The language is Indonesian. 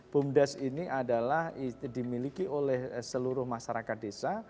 bum desa ini adalah dimiliki oleh seluruh masyarakat desa